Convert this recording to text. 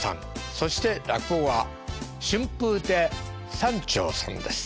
そして落語が春風亭三朝さんです。